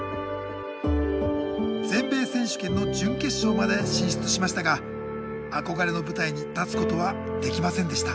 全米選手権の準決勝まで進出しましたが憧れの舞台に立つことはできませんでした。